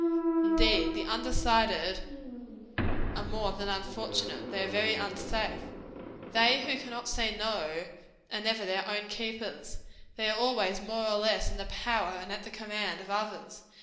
Indeed, the undecided are more than unfortunate; they are very unsafe. They who cannot say no, are never their own keepers; they are always, more or less, in the power and at the command of others.